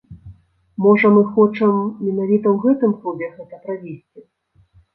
Можа мы хочам менавіта ў гэтым клубе гэта правесці!?